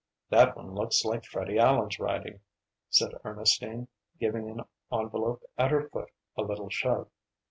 "That one looks like Freddie Allen's writing," said Ernestine, giving an envelope at her foot a little shove.